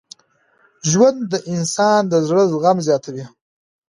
ژوند د انسان د زړه زغم زیاتوي.